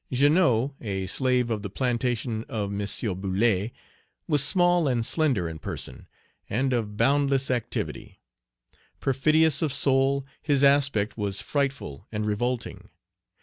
Jeannot, a slave of the plantation of M. Bullet, was small and slender in person, and of boundless activity. Perfidious of soul, his aspect was frightful and revolting.